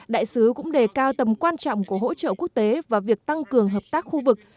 đại sứ cũng đề cao tầm quan trọng của hỗ trợ quốc tế và việc tăng cường hợp tác khu vực